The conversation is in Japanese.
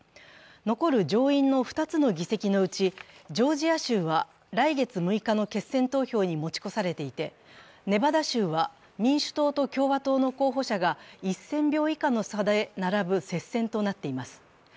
残る上院の２つの議席のうち、ジョージア州は来月６日の決選投票に持ち越されていてネバダ州は民主党と共和党の候補者が１０００票以下の差で並ぶ接戦となっています。